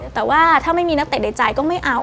แต่ว่าถ้าไม่มีนักเตะในใจก็ไม่เอา